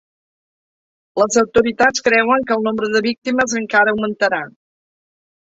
Les autoritats creuen que el nombre de víctimes encara augmentarà